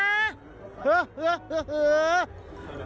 เฮ้อหาเก่ะเก่ะเก่ะ